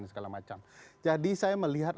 dan segala macam jadi saya melihat